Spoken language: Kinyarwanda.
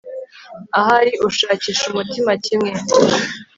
ahari ushakisha umutima kimwe